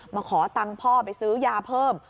มาขอตังค์พ่อไปซื้อยาเพิ่ม